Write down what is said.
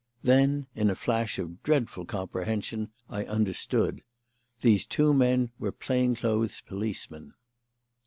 Then, in a flash of dreadful comprehension, I understood. These two men were plain clothes policemen.